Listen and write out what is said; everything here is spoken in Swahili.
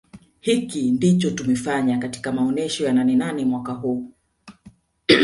Hiki ndicho tumefanya katika maonesho ya Nanenane mwaka huu